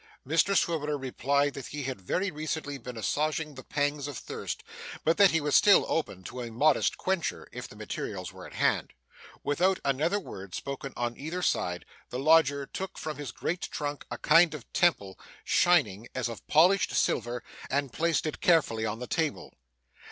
Mr Swiveller replied that he had very recently been assuaging the pangs of thirst, but that he was still open to 'a modest quencher,' if the materials were at hand. Without another word spoken on either side, the lodger took from his great trunk, a kind of temple, shining as of polished silver, and placed it carefully on the table.